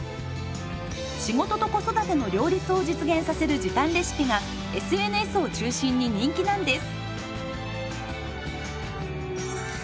仕事と子育ての両立を実現させる時短レシピがＳＮＳを中心に人気なんです。